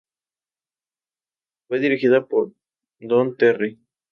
Fue dirigida por Don Terry.